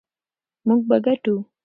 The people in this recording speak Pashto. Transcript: موږ به ګټو.